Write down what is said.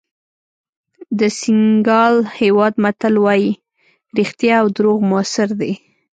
د سینیګال هېواد متل وایي رښتیا او دروغ موثر دي.